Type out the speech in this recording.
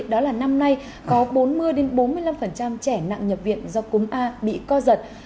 đó là năm nay có bốn mươi bốn mươi năm trẻ nặng nhập viện do cúm a bị co giật